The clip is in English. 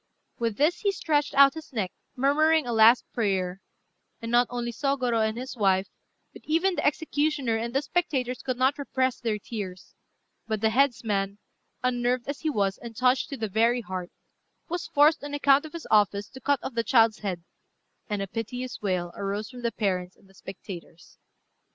] With this he stretched out his neck, murmuring a last prayer; and not only Sôgorô and his wife, but even the executioner and the spectators could not repress their tears; but the headsman, unnerved as he was, and touched to the very heart, was forced, on account of his office, to cut off the child's head, and a piteous wail arose from the parents and the spectators.